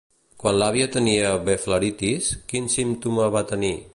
Quan l'àvia tenia blefaritis, quin símptoma va tenir?